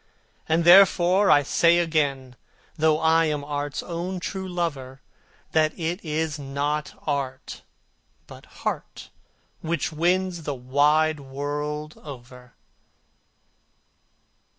And therefore I say again, though I am art's own true lover, That it is not art, but heart, which wins the wide world over.